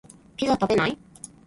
ピザ食べない？